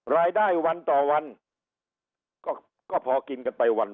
รายได้วันต่อวันก็พอกินกันไปวัน